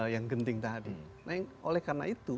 yang genting tadi oleh karena itu